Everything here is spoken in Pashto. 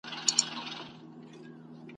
لا ورته ګوري سره اورونه د سکروټو دریاب ..